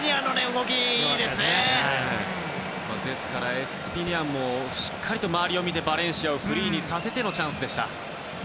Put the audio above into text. エストゥピニャンもしっかりと周りを見てバレンシアをフリーにさせてのチャンスでした。